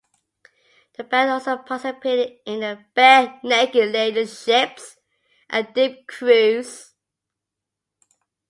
The band also participated in the Barenaked Ladies' Ships and Dip cruise.